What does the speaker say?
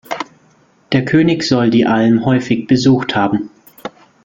Der König soll die Alm häufig besucht haben.